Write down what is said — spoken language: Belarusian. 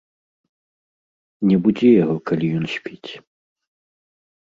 Не будзі яго, калі ён спіць.